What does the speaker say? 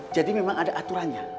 jadi memang ada aturannya